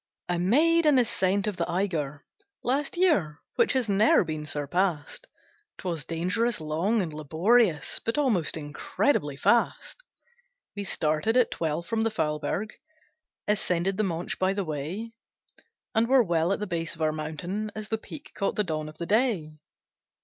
I made an ascent of the Eiger Last year, which has ne'er been surpassed; 'Twas dangerous, long, and laborious, But almost incredibly fast. We started at twelve from the Faulberg; Ascended the Monch by the way; And were well at the base of our mountain, As the peak caught the dawn of the day.